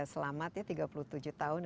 selamat ya tiga puluh tujuh tahun